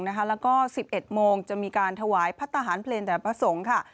แล้วก็๑๑โมงจะมีการถวายพัฒนาภัณฑ์เพลงแต่ละพระสงฆ์ค่ะ